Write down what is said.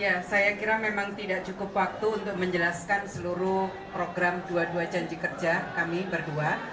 ya saya kira memang tidak cukup waktu untuk menjelaskan seluruh program dua puluh dua janji kerja kami berdua